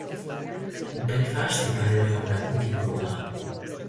Belfast Ipar Irlandako hiriburua da.